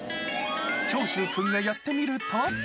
長州君がやってみると。